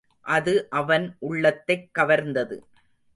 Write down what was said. அது அவன் உள்ளத்தைக் கவர்ந்தது.